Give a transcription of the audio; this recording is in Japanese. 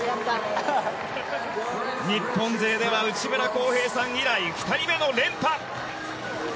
日本勢では内村航平さん以来２人目の連覇。